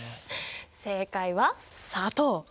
正解は砂糖。